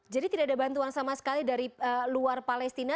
jadi tidak ada bantuan sama sekali dari luar palestina